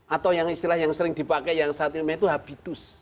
atau yang istilah yang sering dipakai yang saat ini itu habitus